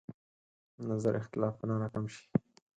نظر اختلافونه راکم شي.